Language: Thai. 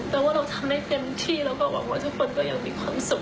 แต่ว่าเราทำได้เต็มที่แล้วก็หวังว่าทุกคนก็ยังมีความสุข